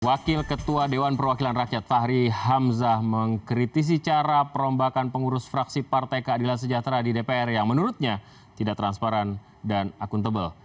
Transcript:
wakil ketua dewan perwakilan rakyat fahri hamzah mengkritisi cara perombakan pengurus fraksi partai keadilan sejahtera di dpr yang menurutnya tidak transparan dan akuntabel